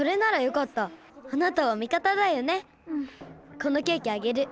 このケーキあげる。